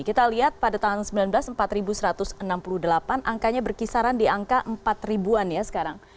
kita lihat pada tahun seribu sembilan ratus empat satu ratus enam puluh delapan angkanya berkisaran di angka empat ribuan ya sekarang